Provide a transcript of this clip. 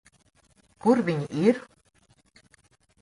Kur viņi ir?